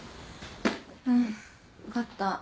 うん分かった。